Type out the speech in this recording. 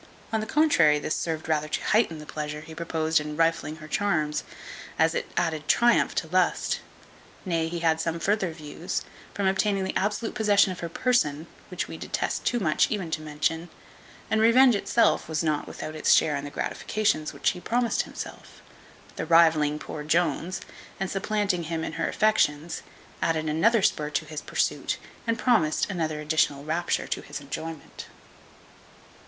On the contrary, this served rather to heighten the pleasure he proposed in rifling her charms, as it added triumph to lust; nay, he had some further views, from obtaining the absolute possession of her person, which we detest too much even to mention; and revenge itself was not without its share in the gratifications which he promised himself. The rivalling poor Jones, and supplanting him in her affections, added another spur to his pursuit, and promised another additional rapture to his enjoyment.